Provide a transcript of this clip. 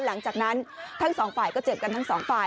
หลังจากนั้นทั้งสองฝ่ายก็เจ็บกันทั้งสองฝ่าย